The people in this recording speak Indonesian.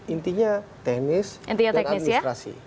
intinya teknis dan administrasi